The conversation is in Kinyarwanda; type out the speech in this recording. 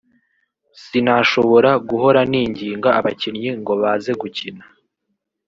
sinashobora guhora ninginga abakinnyi ngo baze gukina